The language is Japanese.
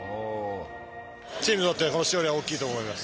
チームにとってこの勝利は大きいと思います。